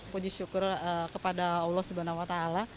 puji syukur kepada allah swt